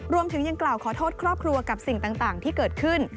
รวมถึงยังกล่าวขอโทษครอบครัวกับสิ่งต่างที่เกิดขึ้น